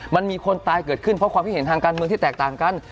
มันมีคนตายเกิดขึ้นเพราะความคิดเห็นทางการเมืองที่แตกต่างกัน